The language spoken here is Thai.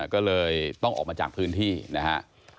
ก็เลยต้องออกมาจากพื้นที่นะฮะ